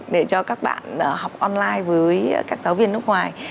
để cho các bạn học online với các giáo viên nước ngoài